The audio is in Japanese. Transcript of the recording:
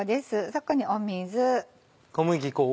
そこに水。